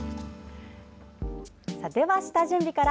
では、下準備から。